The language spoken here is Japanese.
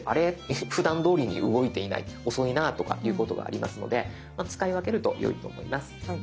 ふだん通りに動いていない遅いなとかいうことがありますので使い分けるとよいと思います。